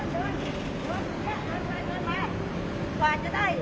สาขะอ่ะ